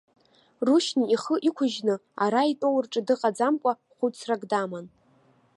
Рушьни ихы иқәыжьны ара итәоу рҿы дыҟаӡамкәа, хәыцрак даман.